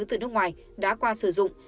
từ nước ngoài đã qua sử dụng